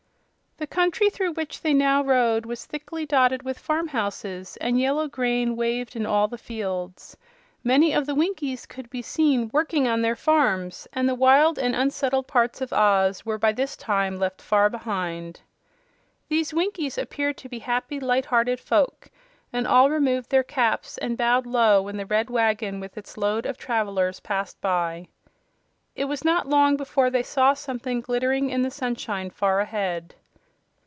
The country through which they now rode was thickly dotted with farmhouses, and yellow grain waved in all the fields. Many of the Winkies could be seen working on their farms and the wild and unsettled parts of Oz were by this time left far behind. These Winkies appeared to be happy, light hearted folk, and all removed their caps and bowed low when the red wagon with its load of travelers passed by. It was not long before they saw something glittering in the sunshine far ahead.